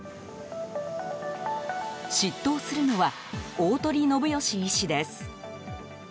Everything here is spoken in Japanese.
執刀するのは、鴻信義医師です。